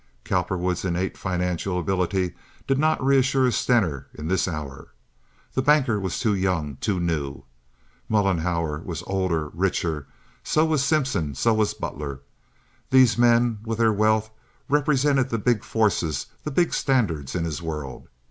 Cowperwood's innate financial ability did not reassure Stener in this hour. The banker was too young, too new. Mollenhauer was older, richer. So was Simpson; so was Butler. These men, with their wealth, represented the big forces, the big standards in his world.